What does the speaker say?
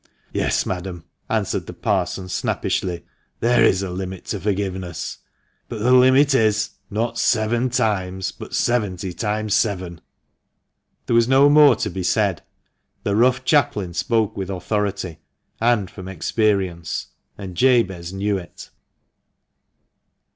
" Yes, madam," answered the Parson snappishly, " there is a limit to forgiveness ; but the limit is ' not seven times, but seventy times seven !'" There was no more to be said. The rough chaplain spoke with authority, and from experience, and Jabez knew it.